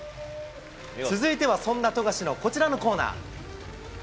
続いてはそんな富樫のこちらのコーナー。